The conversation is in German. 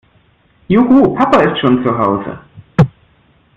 Juhu, Papa ist schon zu Hause!